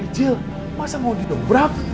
eh jil masa mau didobrak